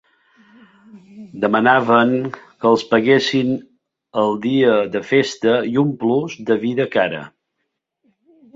Demanaven que els paguessin el dia de festa i un plus de vida cara.